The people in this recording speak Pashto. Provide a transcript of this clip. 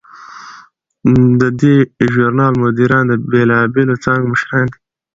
د دې ژورنال مدیران د بیلابیلو څانګو مشران دي.